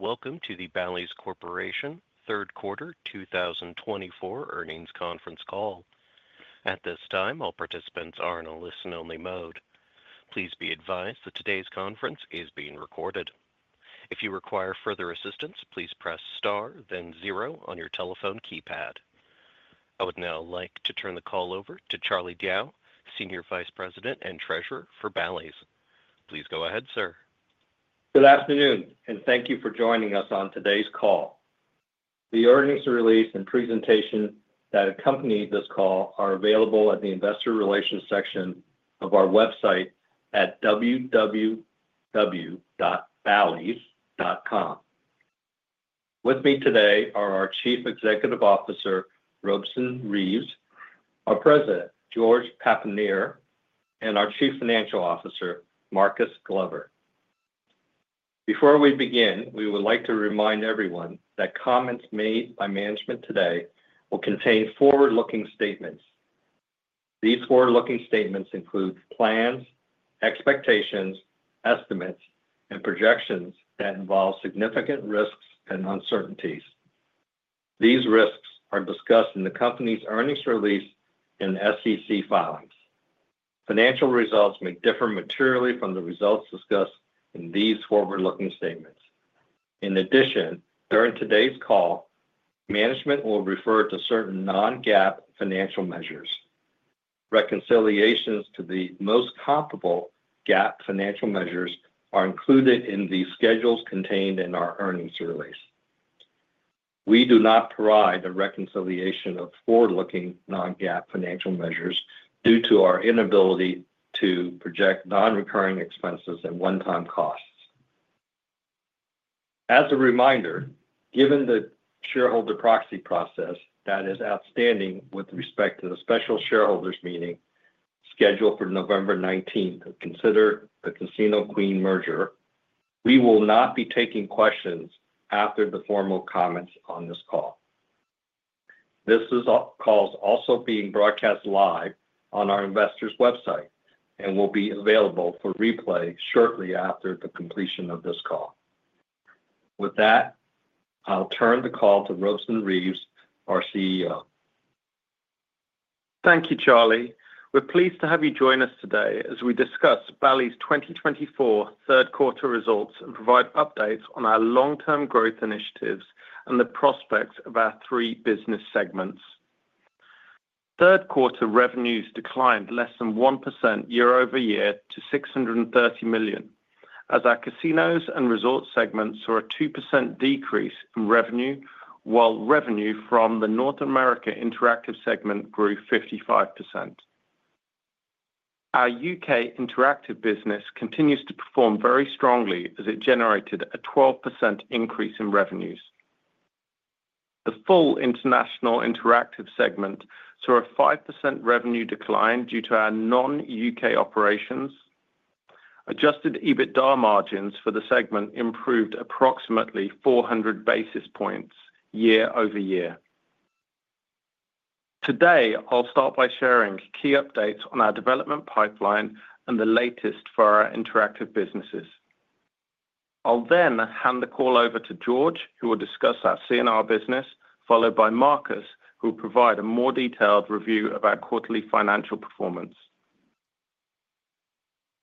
Welcome to the Bally's Corporation Third Quarter 2024 earnings conference call. At this time, all participants are in a listen-only mode. Please be advised that today's conference is being recorded. If you require further assistance, please press star, then zero on your telephone keypad. I would now like to turn the call over to Charles Diao, Senior Vice President and Treasurer for Bally's. Please go ahead, sir. Good afternoon, and thank you for joining us on today's call. The earnings release and presentation that accompanied this call are available at the investor relations section of our website at www.ballys.com. With me today are our Chief Executive Officer, Robeson Reeves,; our President, George Papanier; and our Chief Financial Officer, Marcus Glover. Before we begin, we would like to remind everyone that comments made by management today will contain forward-looking statements. These forward-looking statements include plans, expectations, estimates, and projections that involve significant risks and uncertainties. These risks are discussed in the company's earnings release and SEC filings. Financial results may differ materially from the results discussed in these forward-looking statements. In addition, during today's call, management will refer to certain non-GAAP financial measures. Reconciliations to the most comparable GAAP financial measures are included in the schedules contained in our earnings release. We do not provide a reconciliation of forward-looking non-GAAP financial measures due to our inability to project non-recurring expenses and one-time costs. As a reminder, given the shareholder proxy process that is outstanding with respect to the special shareholders meeting scheduled for November 19th to consider the Casino Queen merger, we will not be taking questions after the formal comments on this call. This call is also being broadcast live on our investors' website and will be available for replay shortly after the completion of this call. With that, I'll turn the call to Robeson Reeves, our CEO. Thank you, Charlie. We're pleased to have you join us today as we discuss Bally's 2024 third quarter results and provide updates on our long-term growth initiatives and the prospects of our three business segments. Third quarter revenues declined less than 1% year-over-year to $630 million, as our Casinos and Resorts segments saw a 2% decrease in revenue, while revenue from the North America Interactive segment grew 55%. Our U.K. Interactive business continues to perform very strongly as it generated a 12% increase in revenues. The full International Interactive segment saw a 5% revenue decline due to our non-U.K. operations. Adjusted EBITDA margins for the segment improved approximately 400 basis points year-over-year. Today, I'll start by sharing key updates on our development pipeline and the latest for our Interactive businesses. I'll then hand the call over to George, who will discuss our C&R business, followed by Marcus, who will provide a more detailed review of our quarterly financial performance.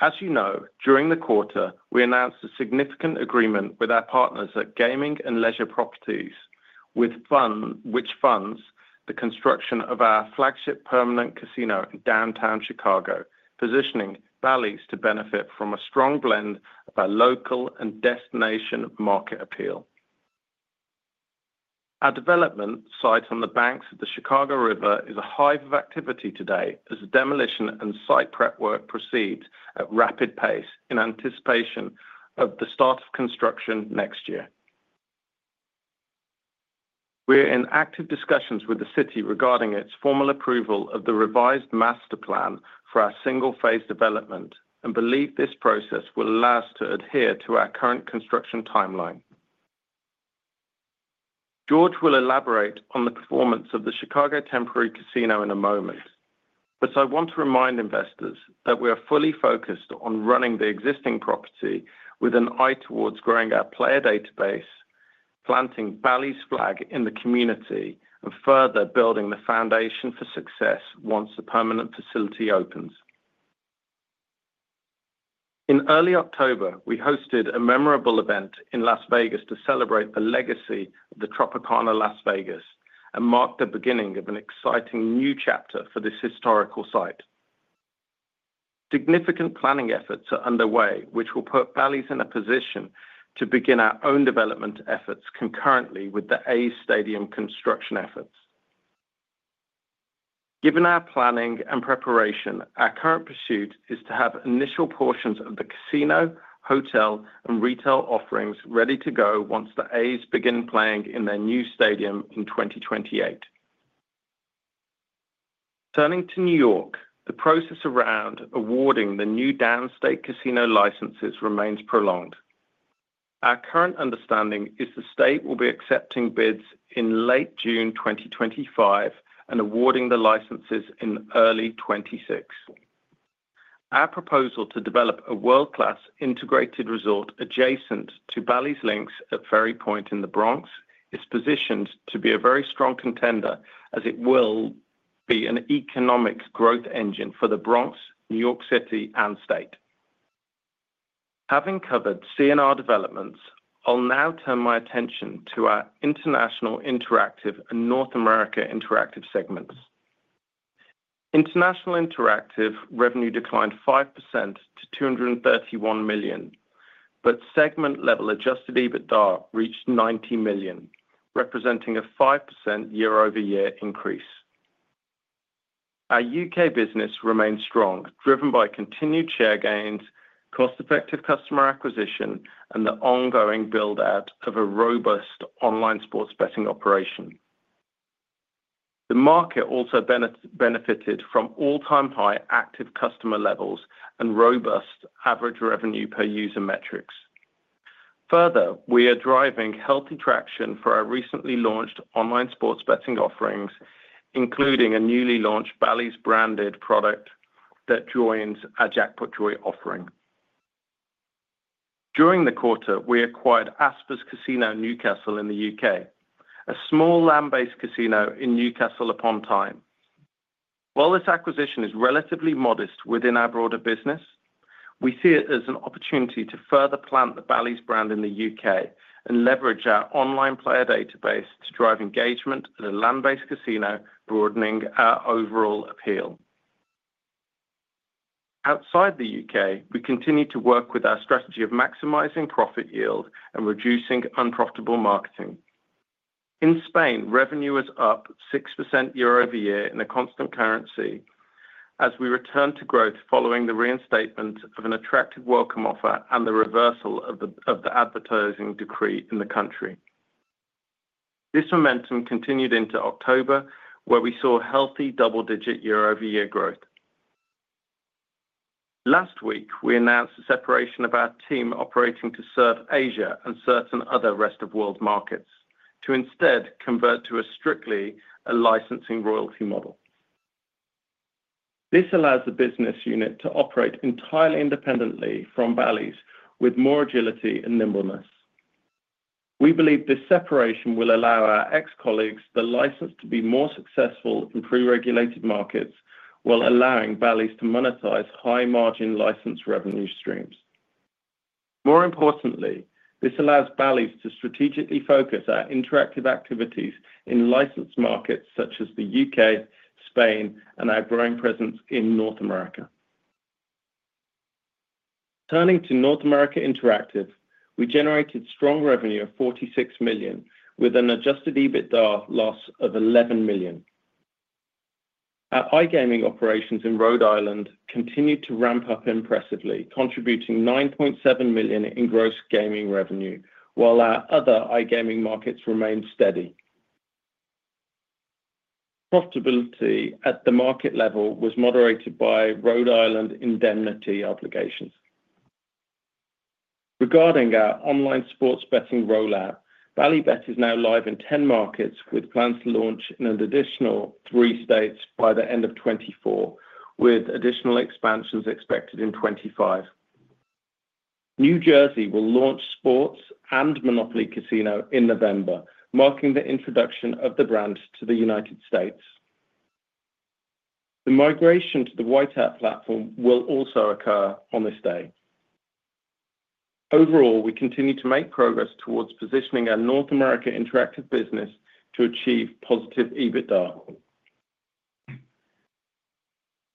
As you know, during the quarter, we announced a significant agreement with our partners at Gaming and Leisure Properties, which funds the construction of our flagship permanent casino in downtown Chicago, positioning Bally's to benefit from a strong blend of our local and destination market appeal. Our development site on the banks of the Chicago River is a hive of activity today as demolition and site prep work proceeds at rapid pace in anticipation of the start of construction next year. We're in active discussions with the city regarding its formal approval of the revised master plan for our single-phase development and believe this process will allow us to adhere to our current construction timeline. George will elaborate on the performance of the Chicago temporary casino in a moment, but I want to remind investors that we are fully focused on running the existing property with an eye towards growing our player database, planting Bally's flag in the community, and further building the foundation for success once the permanent facility opens. In early October, we hosted a memorable event in Las Vegas to celebrate the legacy of the Tropicana Las Vegas and marked the beginning of an exciting new chapter for this historical site. Significant planning efforts are underway, which will put Bally's in a position to begin our own development efforts concurrently with the A's stadium construction efforts. Given our planning and preparation, our current pursuit is to have initial portions of the casino, hotel, and retail offerings ready to go once the A's begin playing in their new stadium in 2028. Turning to New York, the process around awarding the new downstate casino licenses remains prolonged. Our current understanding is the state will be accepting bids in late June 2025 and awarding the licenses in early 2026. Our proposal to develop a world-class integrated resort adjacent to Bally's Links at Ferry Point in the Bronx is positioned to be a very strong contender as it will be an economic growth engine for the Bronx, New York City, and state. Having covered C&R developments, I'll now turn my attention to our International Interactive and North America Interactive segments. International Interactive revenue declined 5% to $231 million, but segment-level Adjusted EBITDA reached $90 million, representing a 5% year-over-year increase. Our U.K. business remains strong, driven by continued share gains, cost-effective customer acquisition, and the ongoing build-out of a robust online sports betting operation. The market also benefited from all-time high active customer levels and robust average revenue per user metrics. Further, we are driving healthy traction for our recently launched online sports betting offerings, including a newly launched Bally's branded product that joins our Jackpotjoy offering. During the quarter, we acquired Aspers Casino Newcastle in the U.K., a small land-based casino in Newcastle upon Tyne. While this acquisition is relatively modest within our broader business, we see it as an opportunity to further plant the Bally's brand in the U.K. and leverage our online player database to drive engagement at a land-based casino, broadening our overall appeal. Outside the U.K., we continue to work with our strategy of maximizing profit yield and reducing unprofitable marketing. In Spain, revenue is up 6% year-over-year in a constant currency as we return to growth following the reinstatement of an attractive welcome offer and the reversal of the advertising decree in the country. This momentum continued into October, where we saw healthy double-digit year-over-year growth. Last week, we announced the separation of our team operating to serve Asia and certain other rest-of-world markets to instead convert to a strictly licensing royalty model. This allows the business unit to operate entirely independently from Bally's with more agility and nimbleness. We believe this separation will allow our ex-colleagues the license to be more successful in pre-regulated markets while allowing Bally's to monetize high-margin license revenue streams. More importantly, this allows Bally's to strategically focus our interactive activities in licensed markets such as the U.K., Spain, and our growing presence in North America. Turning to North America Interactive, we generated strong revenue of $46 million with an Adjusted EBITDA loss of $11 million. Our iGaming operations in Rhode Island continued to ramp up impressively, contributing $9.7 million in gross gaming revenue, while our other iGaming markets remained steady. Profitability at the market level was moderated by Rhode Island indemnity obligations. Regarding our online sports betting rollout, Bally Bet is now live in 10 markets with plans to launch in an additional three states by the end of 2024, with additional expansions expected in 2025. New Jersey will launch sports and Monopoly Casino in November, marking the introduction of the brand to the United States. The migration to the White Hat platform will also occur on this day. Overall, we continue to make progress towards positioning our North America Interactive business to achieve positive EBITDA.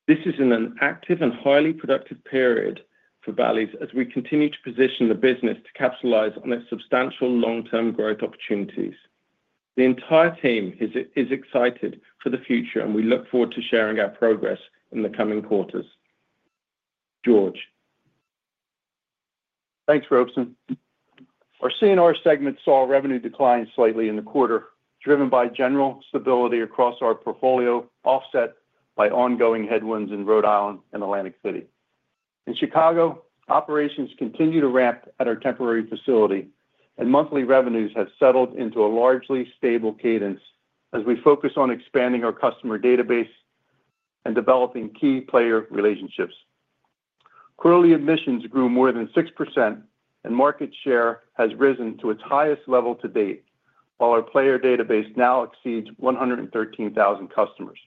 This is in an active and highly productive period for Bally's as we continue to position the business to capitalize on its substantial long-term growth opportunities. The entire team is excited for the future, and we look forward to sharing our progress in the coming quarters. George. Thanks, Robeson. Our C&R segment saw revenue decline slightly in the quarter, driven by general stability across our portfolio offset by ongoing headwinds in Rhode Island and Atlantic City. In Chicago, operations continue to ramp at our temporary facility, and monthly revenues have settled into a largely stable cadence as we focus on expanding our customer database and developing key player relationships. Quarterly admissions grew more than 6%, and market share has risen to its highest level to date, while our player database now exceeds 113,000 customers.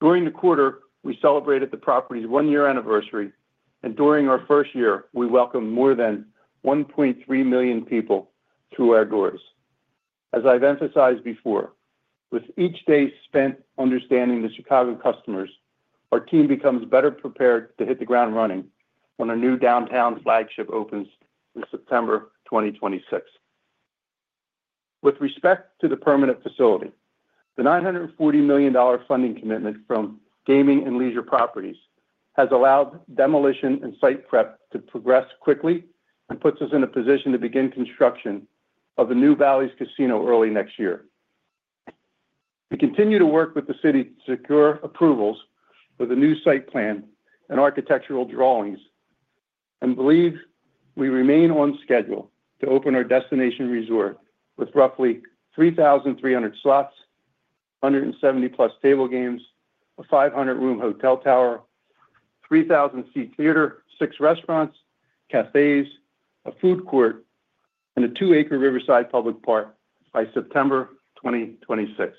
During the quarter, we celebrated the property's one-year anniversary, and during our first year, we welcomed more than 1.3 million people through our doors. As I've emphasized before, with each day spent understanding the Chicago customers, our team becomes better prepared to hit the ground running when our new downtown flagship opens in September 2026. With respect to the permanent facility, the $940 million funding commitment from Gaming and Leisure Properties has allowed demolition and site prep to progress quickly and puts us in a position to begin construction of a new Bally's casino early next year. We continue to work with the city to secure approvals for the new site plan and architectural drawings and believe we remain on schedule to open our destination resort with roughly 3,300 slots, 170+ table games, a 500-room hotel tower, 3,000-seat theater, six restaurants, cafes, a food court, and a two-acre riverside public park by September 2026.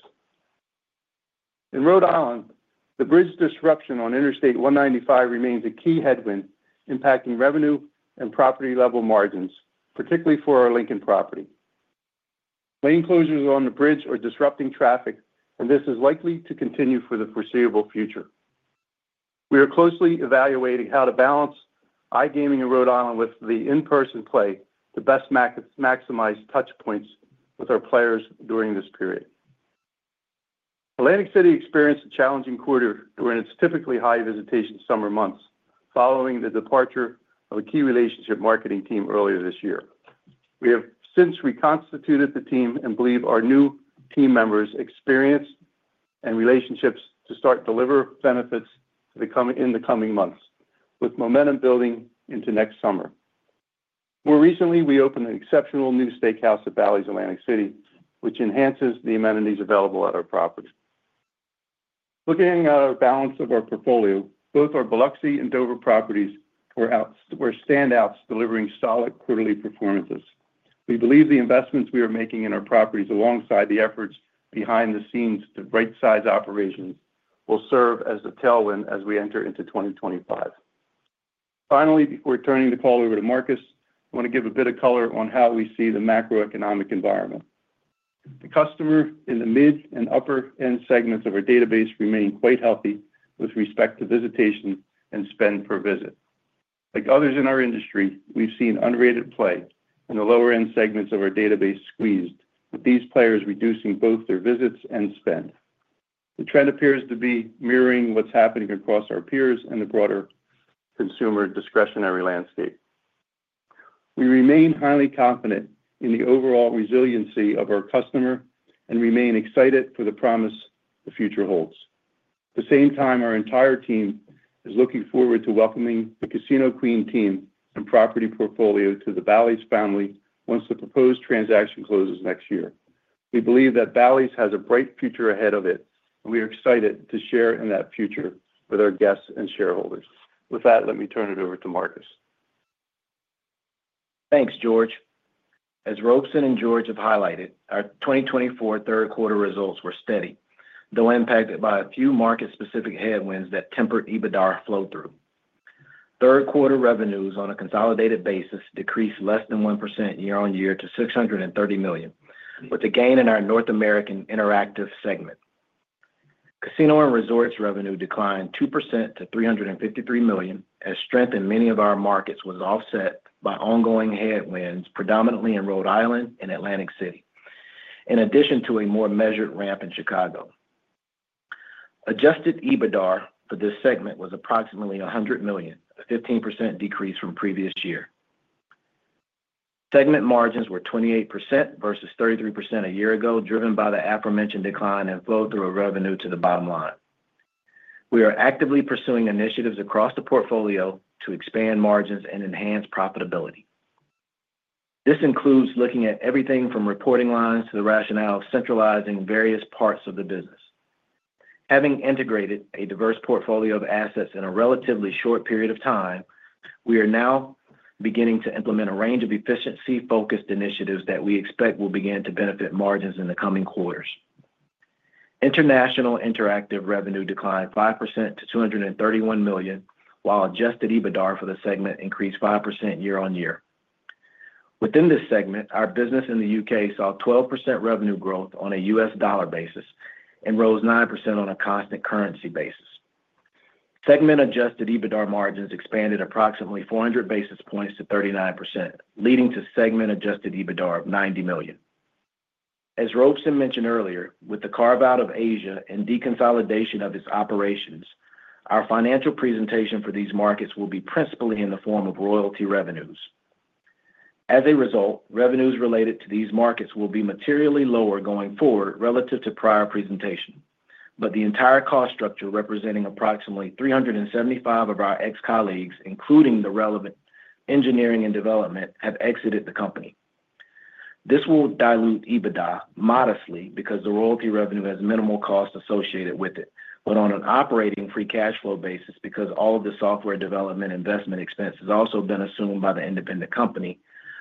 In Rhode Island, the bridge disruption on Interstate 195 remains a key headwind impacting revenue and property-level margins, particularly for our Lincoln property. Lane closures on the bridge are disrupting traffic, and this is likely to continue for the foreseeable future. We are closely evaluating how to balance iGaming in Rhode Island with the in-person play to best maximize touch points with our players during this period. Atlantic City experienced a challenging quarter during its typically high visitation summer months following the departure of a key relationship marketing team earlier this year. We have since reconstituted the team and believe our new team members' experience and relationships to start to deliver benefits in the coming months, with momentum building into next summer. More recently, we opened an exceptional new steakhouse at Bally's Atlantic City, which enhances the amenities available at our property. Looking at our balance of our portfolio, both our Biloxi and Dover properties were standouts, delivering solid quarterly performances. We believe the investments we are making in our properties, alongside the efforts behind the scenes to right-size operations, will serve as a tailwind as we enter into 2025. Finally, before turning the call over to Marcus, I want to give a bit of color on how we see the macroeconomic environment. The customer in the mid and upper-end segments of our database remains quite healthy with respect to visitation and spend per visit. Like others in our industry, we've seen unrated play in the lower-end segments of our database squeezed, with these players reducing both their visits and spend. The trend appears to be mirroring what's happening across our peers and the broader consumer discretionary landscape. We remain highly confident in the overall resiliency of our customer and remain excited for the promise the future holds. At the same time, our entire team is looking forward to welcoming the Casino Queen team and property portfolio to the Bally's family once the proposed transaction closes next year. We believe that Bally's has a bright future ahead of it, and we are excited to share in that future with our guests and shareholders. With that, let me turn it over to Marcus. Thanks, George. As Robeson and George have highlighted, our 2024 third-quarter results were steady, though impacted by a few market-specific headwinds that tempered EBITDA flow-through. Third-quarter revenues on a consolidated basis decreased less than 1% year-on-year to $630 million, with a gain in our North America Interactive segment. Casinos and Resorts revenue declined 2% to $353 million, as strength in many of our markets was offset by ongoing headwinds predominantly in Rhode Island and Atlantic City, in addition to a more measured ramp in Chicago. Adjusted EBITDA for this segment was approximately $100 million, a 15% decrease from previous year. Segment margins were 28% versus 33% a year ago, driven by the aforementioned decline in flow-through revenue to the bottom line. We are actively pursuing initiatives across the portfolio to expand margins and enhance profitability. This includes looking at everything from reporting lines to the rationale of centralizing various parts of the business. Having integrated a diverse portfolio of assets in a relatively short period of time, we are now beginning to implement a range of efficiency-focused initiatives that we expect will begin to benefit margins in the coming quarters. International Interactive revenue declined 5% to $231 million, while Adjusted EBITDA for the segment increased 5% year-on-year. Within this segment, our business in the U.K. saw 12% revenue growth on a U.S. dollar basis and rose 9% on a constant currency basis. Segment-Adjusted EBITDA margins expanded approximately 400 basis points to 39%, leading to segment-Adjusted EBITDA of $90 million. As Robeson mentioned earlier, with the carve-out of Asia and deconsolidation of its operations, our financial presentation for these markets will be principally in the form of royalty revenues. As a result, revenues related to these markets will be materially lower going forward relative to prior presentation, but the entire cost structure representing approximately 375 of our ex-colleagues, including the relevant engineering and development, have exited the company. This will dilute EBITDA modestly because the royalty revenue has minimal costs associated with it, but on an operating free cash flow basis because all of the software development investment expense has also been assumed by the independent company.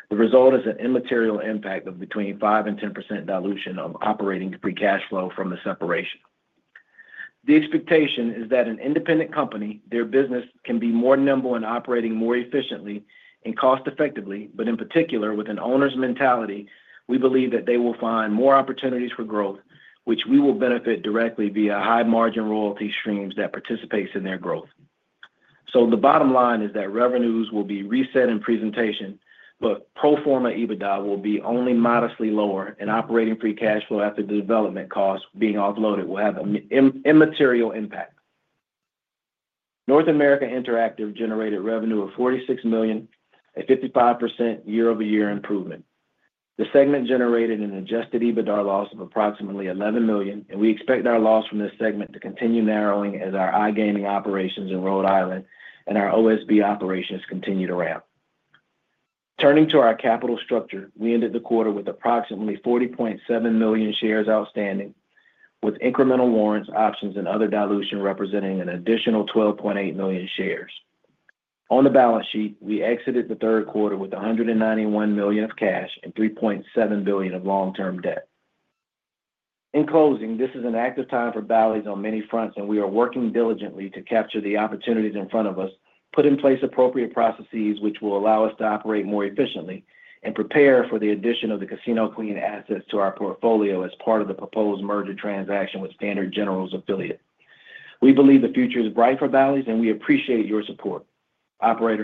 The result is an immaterial impact of between 5%-10% dilution of operating free cash flow from the separation. The expectation is that an independent company, their business can be more nimble in operating more efficiently and cost-effectively, but in particular, with an owner's mentality, we believe that they will find more opportunities for growth, which we will benefit directly via high-margin royalty streams that participate in their growth. So the bottom line is that revenues will be reset in presentation, but pro forma EBITDA will be only modestly lower, and operating free cash flow after the development costs being offloaded will have an immaterial impact. North America Interactive generated revenue of $46 million, a 55% year-over-year improvement. The segment generated an adjusted EBITDA loss of approximately $11 million, and we expect our loss from this segment to continue narrowing as our iGaming operations in Rhode Island and our OSB operations continue to ramp. Turning to our capital structure, we ended the quarter with approximately 40.7 million shares outstanding, with incremental warrants, options, and other dilution representing an additional 12.8 million shares. On the balance sheet, we exited the third quarter with $191 million of cash and $3.7 billion of long-term debt. In closing, this is an active time for Bally's on many fronts, and we are working diligently to capture the opportunities in front of us, put in place appropriate processes which will allow us to operate more efficiently, and prepare for the addition of the Casino Queen assets to our portfolio as part of the proposed merger transaction with Standard General's affiliate. We believe the future is bright for Bally's, and we appreciate your support. Operator.